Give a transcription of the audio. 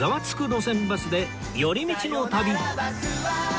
路線バスで寄り道の旅』